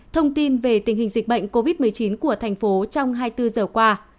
thông tin về tình hình dịch bệnh covid một mươi chín của thành phố trong hai mươi bốn giờ qua